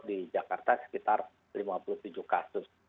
di jakarta sekitar lima puluh tujuh kasus